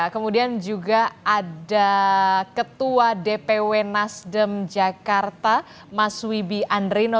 kemudian juga ada ketua dpw nasdem jakarta mas wibi andrino